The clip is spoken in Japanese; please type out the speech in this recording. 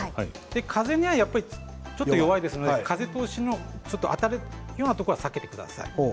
風にはちょっと弱いですので風通しの、風が当たるようなところは避けてください。